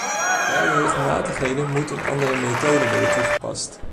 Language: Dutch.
Bij onregelmatigheden moet een andere methode worden toegepast.